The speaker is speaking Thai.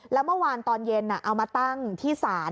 แล้วเมื่อวานตอนเย็นเอามาตั้งที่ศาล